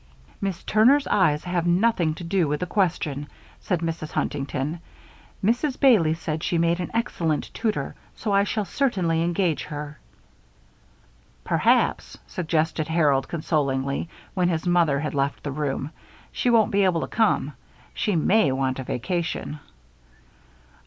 "Miss Turner's eyes have nothing to do with the question," said Mrs. Huntington. "Mrs. Bailey said she made an excellent tutor, so I shall certainly engage her." "Perhaps," suggested Harold, consolingly, when his mother had left the room, "she won't be able to come. She may want a vacation."